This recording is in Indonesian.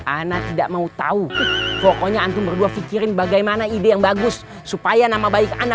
anak tidak mau tahu pokoknya antum berdua pikirin bagaimana ide yang bagus supaya nama baik anda